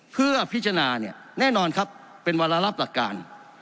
เพื่อพิจารณาเนี่ยแน่นอนครับเป็นวาระรับหลักการ